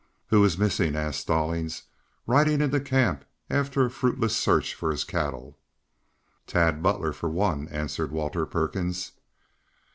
"Who is missing?" asked Stallings, riding into camp after a fruitless search for his cattle. "Tad Butler, for one," answered Walter Perkins.